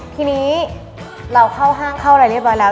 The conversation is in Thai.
ที่นี้เราเข้าห้างเรียบร้อยแล้ว